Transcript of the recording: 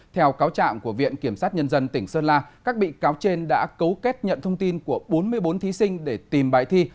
theo cáo trạng của viện kiểm sát nhân dân tỉnh sơn la các bị cáo trên đã cấu kết nhận thông tin của bốn mươi bốn thí sinh để tìm bài thi